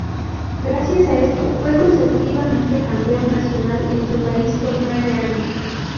Gracias a esto fue consecutivamente campeón nacional en su país por nueve años.